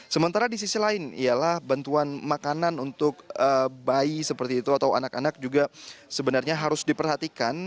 sementara di sisi lain ialah bantuan makanan untuk bayi seperti itu atau anak anak juga sebenarnya harus diperhatikan